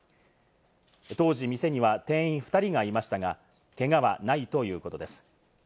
当時、店には店員２人がいましたが、けがはないということです。